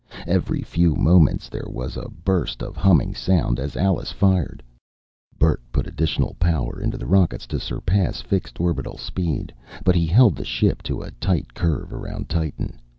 Every few moments there was a burst of humming sound as Alice fired. Bert put additional power into the rockets to surpass fixed orbital speed; but he held the ship to a tight curve around Titan.